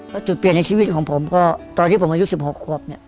แล้วจุดเปลี่ยนในชีวิตของผมก็ตอนที่ผมอายุ๑๖ควบเนี่ย